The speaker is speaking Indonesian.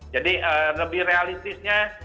jadi lebih realistisnya